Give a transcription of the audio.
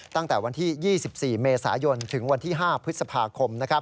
ตั้งแต่วันที่๒๔เมษายนถึงวันที่๕พฤษภาคม